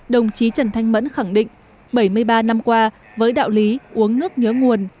đồng chí trần thanh mẫn khẳng định bảy mươi ba năm qua với đạo lý uống nước nhớ nguồn